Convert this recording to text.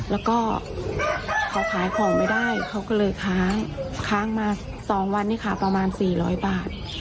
แล้วก็เขาขายของไม่ได้เขาก็เลยค้างค้างมา๒วันนี้ค่ะประมาณ๔๐๐บาท